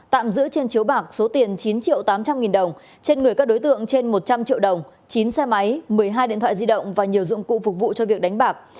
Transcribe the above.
tạm giữ trên chiếu bạc số tiền chín triệu tám trăm linh nghìn đồng trên người các đối tượng trên một trăm linh triệu đồng chín xe máy một mươi hai điện thoại di động và nhiều dụng cụ phục vụ cho việc đánh bạc